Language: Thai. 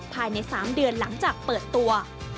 ภายใน๓เดือนหลังจากเปิดตัว